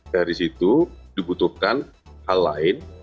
dari situ dibutuhkan hal lain